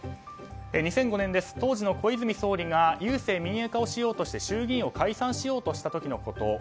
２００５年、当時の小泉総理が郵政民営化をしようとして衆議院を解散しようとした時のこと。